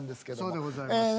そうでございます。